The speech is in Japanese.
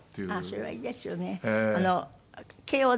ああそれはいいですよね。